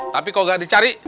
tapi kalau gak dicari